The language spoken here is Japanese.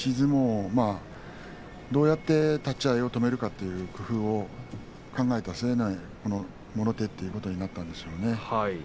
どうやって立ち合いを止めるかということを考えてもろ手ということになったんでしょうね。